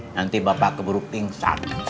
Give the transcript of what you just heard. nanti bapak keburu pingsan